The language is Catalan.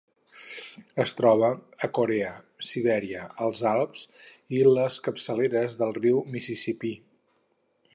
Es troba a Corea, Sibèria, els Alps i les capçaleres del riu Mississipí.